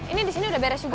ini di sini udah beres juga